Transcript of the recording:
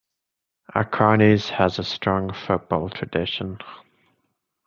Akranes has a strong football tradition.